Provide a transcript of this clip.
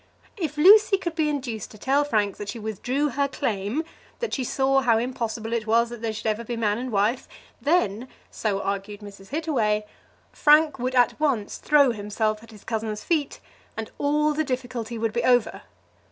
If Lucy could be induced to tell Frank that she withdrew her claim, and that she saw how impossible it was that they should ever be man and wife, then, so argued Mrs. Hittaway, Frank would at once throw himself at his cousin's feet, and all the difficulty would be over.